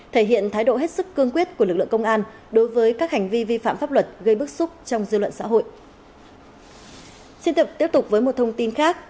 thể hiện thái độ hết sức cương quyết của lực lượng công an đối với các hành vi vi phạm pháp luật gây bức xúc trong dư luận xã hội